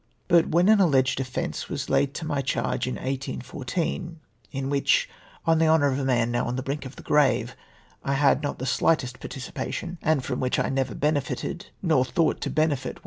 But when an alleged offence was laid to my charge in 1814, in which, on the lionour of a man now on the brink of the grave, I had not the slightest participation, and from which I never benefited, nor thought to benefit 318 THE STOCK EXCIIAXGE TRIAL.